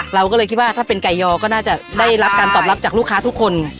เราก็เลยคิดว่าถ้าเป็นไก่ยอก็น่าจะได้รับการตอบรับจากลูกค้าทุกคน